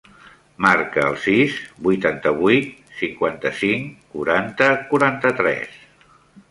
Marca el sis, vuitanta-vuit, cinquanta-cinc, quaranta, quaranta-tres.